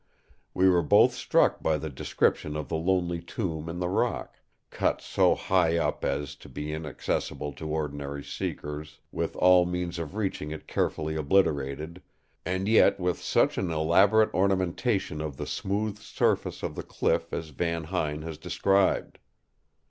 We were both struck by the description of the lonely tomb in the rock; cut so high up as to be inaccessible to ordinary seekers: with all means of reaching it carefully obliterated; and yet with such an elaborate ornamentation of the smoothed surface of the cliff as Van Huyn has described.